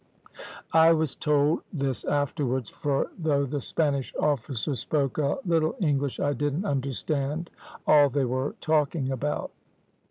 I was told this afterwards, for though the Spanish officer spoke a little English, I didn't understand all they were talking about.